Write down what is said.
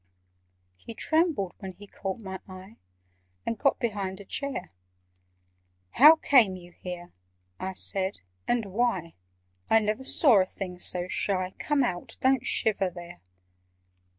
He trembled when he caught my eye, And got behind a chair. "How came you here," I said, "and why? I never saw a thing so shy. Come out! Don't shiver there!"